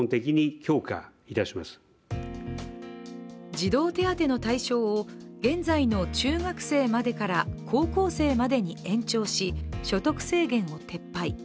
児童手当の対象を現在の中学生までから高校生までに延長し、所得制限を撤廃。